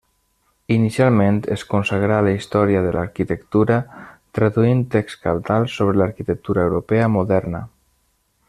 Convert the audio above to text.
Inicialment es consagrà a la història de l’arquitectura, traduint texts cabdals sobre l’arquitectura europea moderna.